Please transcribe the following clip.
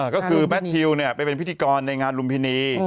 ก็คือแมททิวไปเป็นพิธีกรในงานลุมพินี